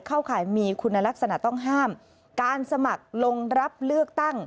ข่ายมีคุณลักษณะต้องห้ามการสมัครลงรับเลือกตั้ง